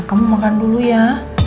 kamu makan dulu ya